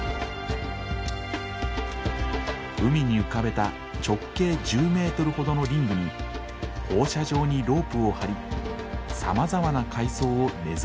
海に浮かべた直径１０メートルほどのリングに放射状にロープを張りさまざまな海藻を根づかせる。